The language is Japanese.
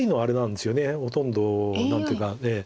ほとんど何ていうか。